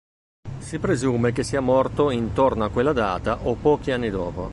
Si presume che sia morto intorno a quella data o pochi anni dopo.